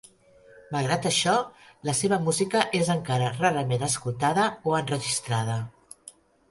Malgrat això la seva música és encara rarament escoltada o enregistrada.